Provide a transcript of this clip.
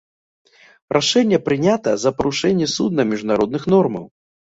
Рашэнне прынята з-за парушэнні суднам міжнародных нормаў.